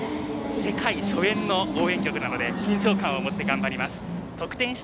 世界初演の応援曲なので緊張感を持って頑張ります。